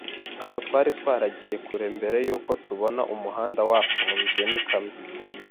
Ntabwo twari twaragiye kure mbere yuko tubona umuhanda wafunzwe n'ikamyo.